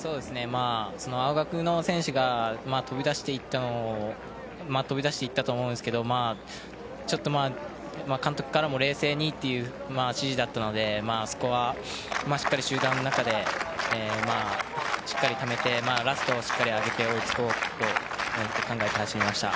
青学の選手が飛び出していったと思うんですけどちょっと監督からも冷静にという指示だったのでそこはしっかり集団の中でしっかりためてラスト、しっかり上げて追いつこうと考えて走りました。